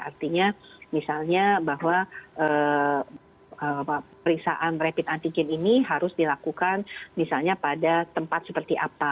artinya misalnya bahwa periksaan rapid antigen ini harus dilakukan misalnya pada tempat seperti apa